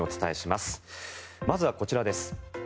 まずは、こちらです。